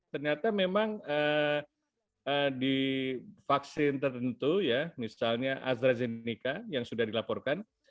ternyata memang di vaksin tertentu ya misalnya astrazeneca yang sudah dilaporkan